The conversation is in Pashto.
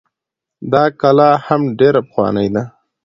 دا کلا هم ډيره پخوانۍ ده